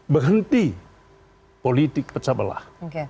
berhenti politik pecah belah